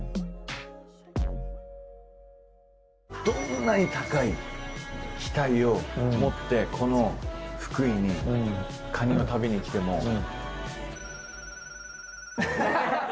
どんなに高い期待を持ってこの福井にカニを食べに来ても。